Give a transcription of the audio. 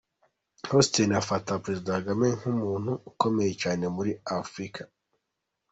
Houston afata Perezida Kagame nk'umuntu ukomeye cyane muri Afrika.